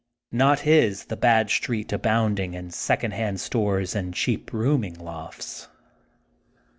Not his the bad street abounding in Becond hand stores and cheap rooming lofts.